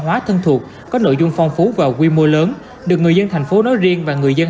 hóa thân thuộc có nội dung phong phú và quy mô lớn được người dân thành phố nói riêng và người dân